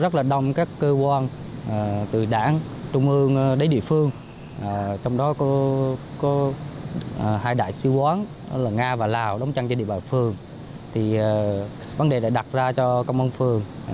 công an an toàn mục tiêu